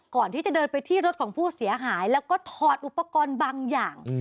ก่อนที่จะเดินไปที่รถของผู้เสียหายแล้วก็ถอดอุปกรณ์บางอย่าง